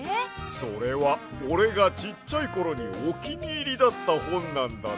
それはおれがちっちゃいころにおきにいりだったほんなんだで。